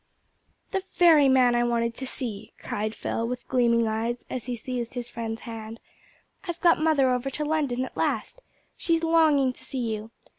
"The very man I wanted to see!" cried Phil, with gleaming eyes, as he seized his friend's hand. "I've got mother over to London at last. She's longing to see you.